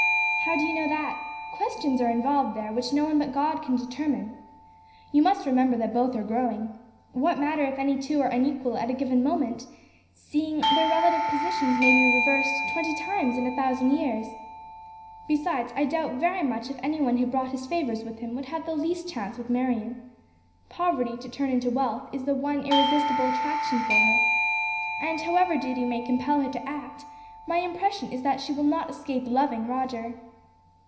"How do you know that? Questions are involved there which no one but God can determine. You must remember that both are growing. What matter if any two are unequal at a given moment, seeing their relative positions may be reversed twenty times in a thousand years? Besides, I doubt very much if any one who brought his favors with him would have the least chance with Marion. Poverty, to turn into wealth, is the one irresistible attraction for her; and, however duty may compel her to act, my impression is that she will not escape loving Roger."